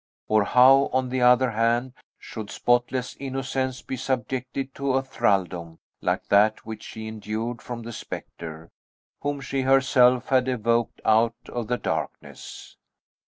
Or how, on the other hand, should spotless innocence be subjected to a thraldom like that which she endured from the spectre, whom she herself had evoked out of the darkness!